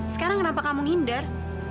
sekarang kenapa kamu ngindar